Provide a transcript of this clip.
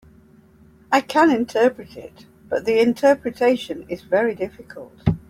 I can interpret it, but the interpretation is very difficult.